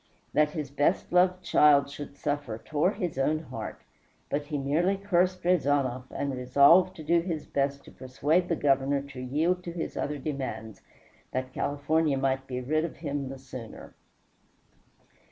That his best loved child should suffer tore his own heart, but he merely cursed Rezanov and resolved to do his best to persuade the Governor to yield to his other demands, that California might be rid of him the sooner.